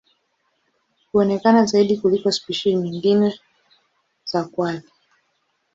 Huonekana zaidi kuliko spishi nyingine za kwale.